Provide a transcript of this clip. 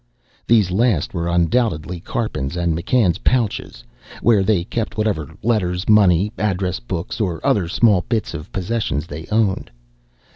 These last were undoubtedly Karpin's and McCann's pouches, where they kept whatever letters, money, address books or other small bits of possessions they owned.